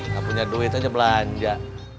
nggak punya duit aja belanja